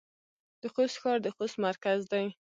د خوست ښار د خوست مرکز دی